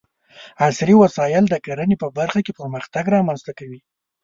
عصري وسايل د کرنې په برخه کې پرمختګ رامنځته کوي.